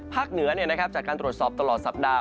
เหนือจากการตรวจสอบตลอดสัปดาห